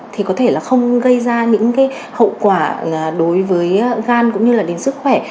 thì có thể là không gây ra những cái hậu quả đối với gan cũng như là đến sức khỏe